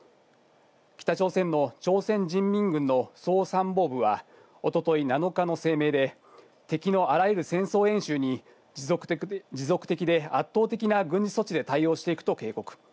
北朝鮮の朝鮮人民軍の総参謀部は、おととい７日の声明で、敵のあらゆる戦争演習に、持続的で圧倒的な軍事措置で対応していくと警告。